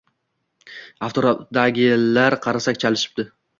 Atrofdagilar qarsak chalishibdi